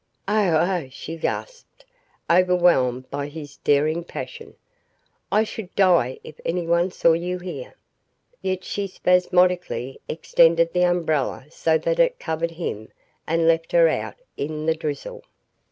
"Oh, oh!" she gasped, overwhelmed by his daring passion. "I should die if anyone saw you here." Yet she spasmodically extended the umbrella so that it covered him and left her out in the drizzle.